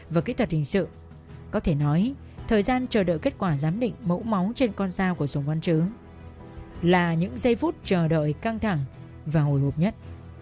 và kỹ thuật hình sự có thể nói thời gian chờ đợi kết quả giám định mẫu máu trên con dao của sùng văn chứ là những giây phút chờ đợi căng thẳng và hồi hộp nhất